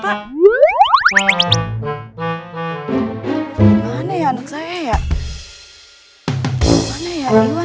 mana ya anak saya ya